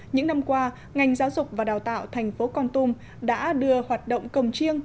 những năm qua ngành giáo dục và đào tạo thành phố con tum đã đưa hoạt động công chiêng